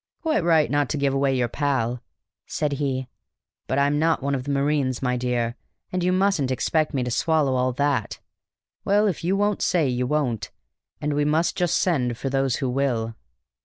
"Quite right not to give away your pal," said he. "But I'm not one of the marines, my dear, and you mustn't expect me to swallow all that. Well, if you won't say, you won't, and we must just send for those who will."